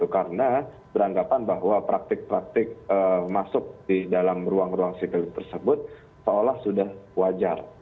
karena beranggapan bahwa praktik praktik masuk di dalam ruang ruang sikl tersebut seolah sudah wajar